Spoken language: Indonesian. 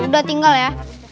udah tinggal ya